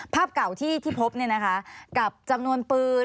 ภาพเก่าที่ที่พบนะคะกับจำนวนปืน